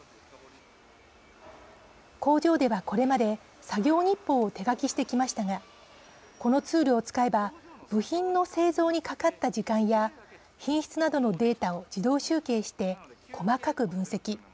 工場では、これまで作業日報を手書きしてきましたがこのツールを使えば部品の製造にかかった時間や品質などのデータを自動集計して細かく分析。